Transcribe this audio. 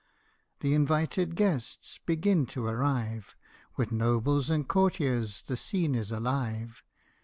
The invited guests begin to arrive : With nobles and courtiers the scene is alive.